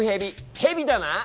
ヘビだな？